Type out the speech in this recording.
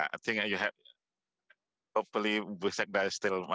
pertanyaan ini sebenarnya dari eddie wicaksono dari ibu sekda